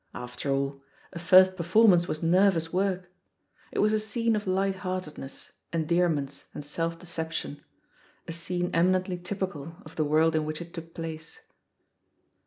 After all, a first performance was nervous work I It was a scene of light heart edness, endearments, and self deception, a scene eminently typical of the world in which it took place.